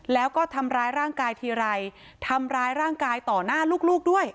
แล้วก็ทำร้ายร่างกายทีไรทำร้ายร่างกายต่อหน้าลูกด้วย